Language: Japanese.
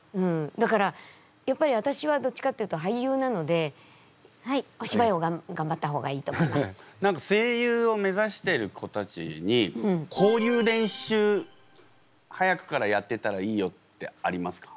だからやっぱり私はどっちかっていうと俳優なので何か声優をめざしてる子たちにこういう練習早くからやってたらいいよってありますか？